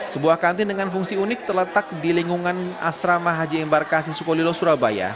sebuah kantin dengan fungsi unik terletak di lingkungan asrama haji embarkasi sukolilo surabaya